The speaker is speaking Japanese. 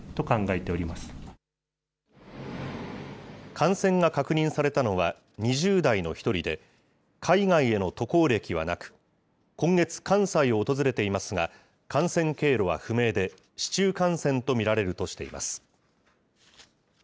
感染が確認されたのは、２０代の１人で、海外への渡航歴はなく、今月、関西を訪れていますが、感染経路は不明で、市中感染と見られるとしています。